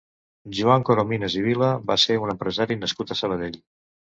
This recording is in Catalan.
Joan Corominas i Vila va ser un empresari nascut a Sabadell.